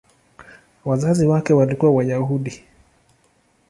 Wazazi wake walikuwa Wayahudi.